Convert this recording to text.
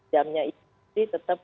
jamnya itu tetap